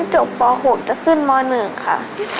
จบป๖จะขึ้นม๑ค่ะ